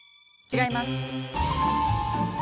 違います。